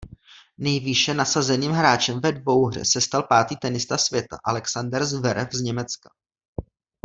Nejvýše nasazeným hráčem ve dvouhře se stal pátý tenista světa Alexander Zverev z Německa.